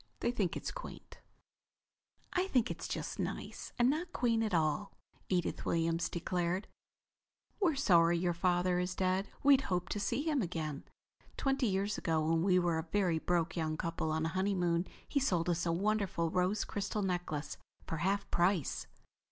They think it's quaint." "I think it's just nice, and not quaint at all," Edith Williams declared. "We're sorry your father is dead. We'd hoped to see him again. Twenty years ago when we were a very broke young couple on a honeymoon he sold us a wonderful rose crystal necklace for half price."